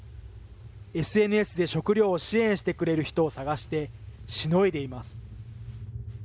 ＳＮＳで食糧を支援してくれる人を探して、しのいでいます。